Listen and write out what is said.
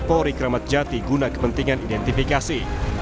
dan dikepulih keramat jati guna kepentingan identifikasi